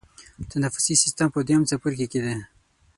تنفسي سیستم په دویم څپرکي کې دی.